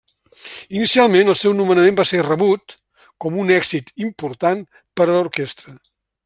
Inicialment, el seu nomenament va ser rebut com un èxit important per a l'orquestra.